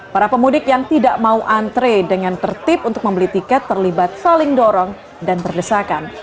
para pemudik yang tidak mau antre dengan tertib untuk membeli tiket terlibat saling dorong dan berdesakan